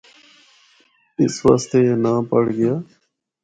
اس واسطے اے ناں پڑھ گیا۔